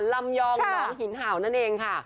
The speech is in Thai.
ลำยองน้องหินเห่านั่นเองค่ะ